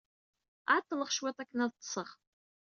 Ɛeḍḍleɣ cwiṭ akken ad ḍḍseɣ.